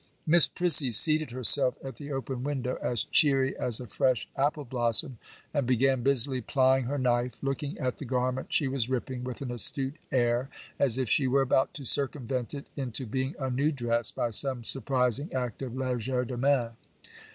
Miss Prissy seated herself at the open window, as cheery as a fresh apple blossom, and began busily plying her knife, looking at the garment she was ripping with an astute air, as if she were about to circumvent it into being a new dress by some surprising act of legerdemain.